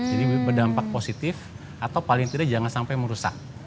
jadi berdampak positif atau paling tidak jangan sampai merusak